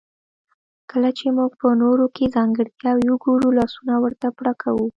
کله چې موږ په نورو کې ځانګړتياوې وګورو لاسونه ورته پړکوو.